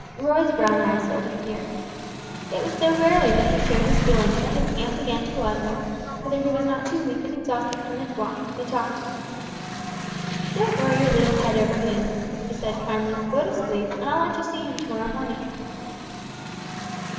Roy's brown eyes filled with tears. It was so rarely that he showed his feelings that his aunt began to wonder whether he was not too weak and exhausted from his walk to be talked to. "Don't worry your little head over him," she said, kindly; "go to sleep, and I'll let you see him to morrow morning."